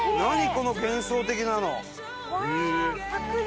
この幻想的なの！